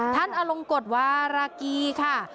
อลงกฎวารากีค่ะ